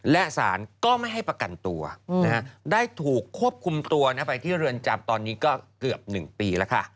และสารก็ไม่ให้ประกันตัวได้ถูกควบคุมตัวไปที่เรือนจำตอนนี้ก็เกือบ๑ปีแล้วค่ะ